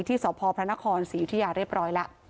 ที่สพพระนครศรียุธิยาเรียบร้อยแล้ว